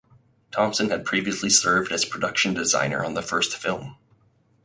Thompson had previously served as production designer on the first film.